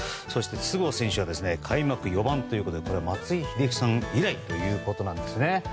そして、筒香選手は開幕４番ということで松井秀喜さん以来ということです。